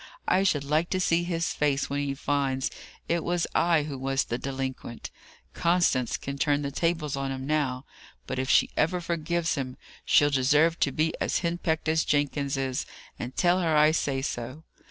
I should like to see his face when he finds it was I who was the delinquent. Constance can turn the tables on him now. But if she ever forgives him, she'll deserve to be as henpecked as Jenkins is; and tell her I say so."